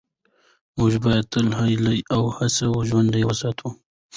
موږ باید تل هیله او هڅه ژوندۍ وساتو